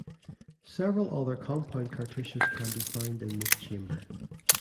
Several other compound cartouches can be found in this chamber.